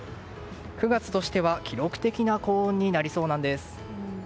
９月としては記録的な高温になりそうなんです。